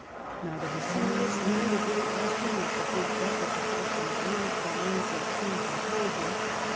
Neither the Sirius nor the Great Western was the first vessel to cross the Atlantic by means of steam pro pulsion.